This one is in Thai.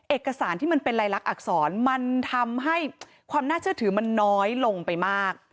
เอกสารที่มันเป็นลายลักษณอักษรมันทำให้ความน่าเชื่อถือมันน้อยลงไปมาก